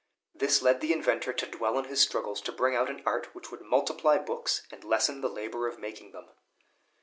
This led the inventor to dwell on his struggles to bring out an art which would multiply books, and lessen the labor of making them.